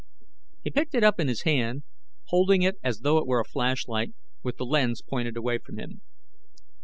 He picked it up in his hand, holding it as though it were a flashlight, with the lens pointed away from him.